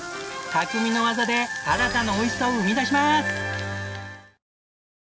匠の技で新たなおいしさを生み出します！